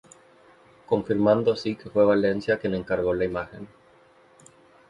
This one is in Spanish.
Confirmando así que fue Valencia quien encargó la imagen.